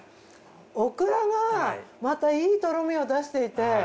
オクラがまたいいとろみを出していて。